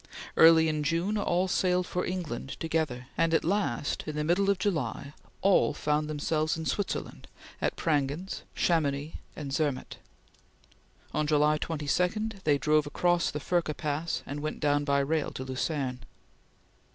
Early in June, all sailed for England together, and at last, in the middle of July, all found themselves in Switzerland, at Prangins, Chamounix, and Zermatt. On July 22 they drove across the Furka Pass and went down by rail to Lucerne.